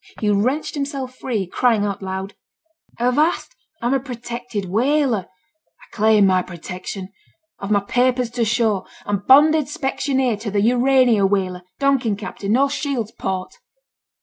He wrenched himself free, crying out loud: 'Avast, I'm a protected whaler. I claim my protection. I've my papers to show, I'm bonded specksioneer to the Urania whaler, Donkin captain, North Shields port.'